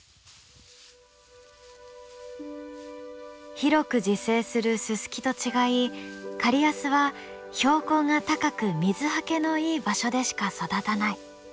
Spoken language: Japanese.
広く自生するススキと違いカリヤスは標高が高く水はけのいい場所でしか育たない。